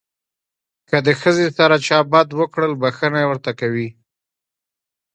که د ښځې سره چا بد وکړل بښنه ورته کوي.